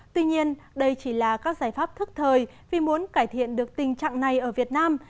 tuy nhiên đây chỉ là các giải pháp thức thời vì muốn cải thiện được tình trạng này ở việt nam